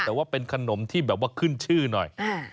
แต่ว่าเป็นขนมที่แบบว่าขึ้นชื่อหน่อย